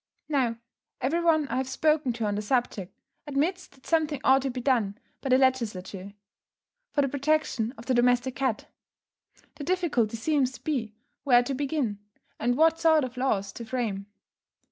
Now, every one I have spoken to on the subject, admits that something ought to be done, by the Legislature, for the protection of the domestic cat. The difficulty seems to be where to begin, and what sort of laws to frame.